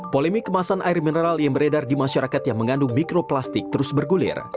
polemik kemasan air mineral yang beredar di masyarakat yang mengandung mikroplastik terus bergulir